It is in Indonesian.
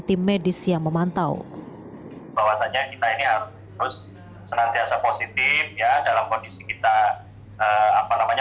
tim medis yang memantau bahwasannya kita ini harus senantiasa positif ya dalam kondisi kita apa namanya